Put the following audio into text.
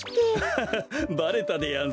ハハハばれたでやんすね。